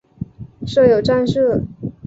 设有站舍。